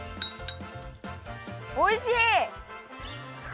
おいしい！